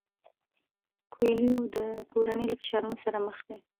کویلیو د کورنۍ له فشارونو سره مخ شو.